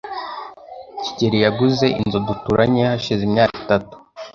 kigeli yaguze inzu duturanye hashize imyaka itatu.